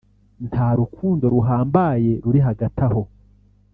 nta rukundo ruhambaye ruri hagati aho